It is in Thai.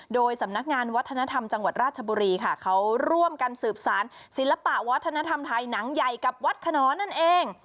โดยสำนักงานวัฒนธรรมจังหวัดราชบุรีค่ะเขาร่วมกันสืบสารศิลปะวัฒนธรรมไทยหนังใหญ่กับวัดขนอนนั่นเอง